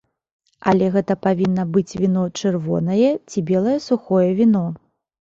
Але гэта павінна быць віно чырвонае ці белае сухое віно.